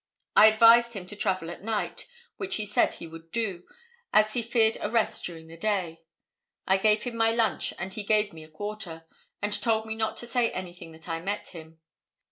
I advised him to travel at night, which he said he would do, as he feared arrest during the day. I gave him my lunch, and he gave me a quarter, and told me not to say anything that I met him.